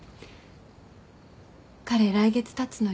彼来月たつのよ。